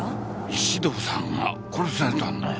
石堂さんが殺されたんだよ。